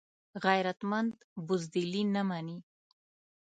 غیرتمند بزدلي نه مني